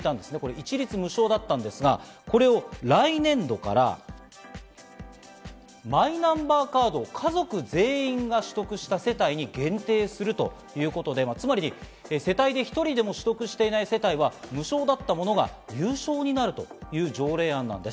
一律無償だったんですが、これを来年度からマイナンバーカードを家族全員が取得した世帯に限定するということで、つまり世帯で１人でも取得していない世帯は無償だったものが有償になるという条例案なんです。